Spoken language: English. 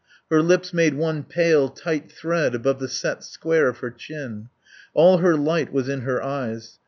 Her lips made one pale, tight thread above the set square of her chin. All her light was in her eyes.